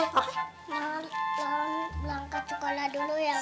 ntar berangkat sekolah dulu ya ma